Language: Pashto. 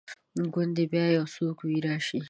ګوندي بیا یو څوک وي راشي